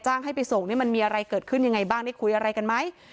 ให้ไปส่งนี่มันมีอะไรเกิดขึ้นยังไงบ้างได้คุยอะไรกันไหม